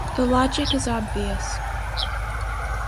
The logic is obvious.